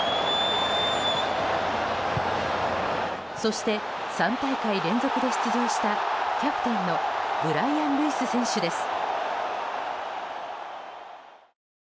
そして３大会連続で出場したキャプテンのブライアン・ルイス選手です。